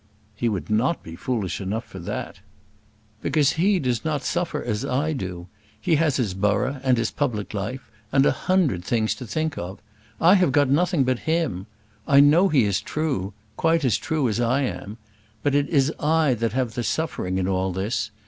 "He would not be foolish enough for that." "Because he does not suffer as I do. He has his borough, and his public life, and a hundred things to think of. I have got nothing but him. I know he is true; quite as true as I am. But it is I that have the suffering in all this.